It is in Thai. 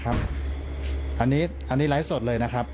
อันนี้ไลฟ์สดเลยนะครับ